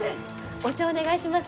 お茶お願いします。